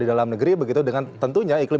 di dalam negeri begitu dengan tentunya iklim